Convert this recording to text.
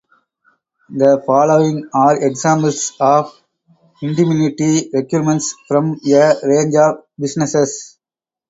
The following are examples of indemnity requirements from a range of businesses.